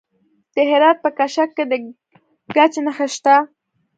د هرات په کشک کې د ګچ نښې شته.